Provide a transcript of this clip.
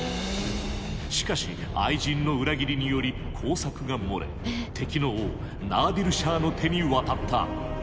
しかし愛人の裏切りにより工作が漏れ敵の王ナーディル・シャーの手に渡った。